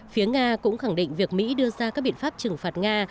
phía nga cũng khẳng định việc mỹ đưa ra các biện pháp trừng phạt nga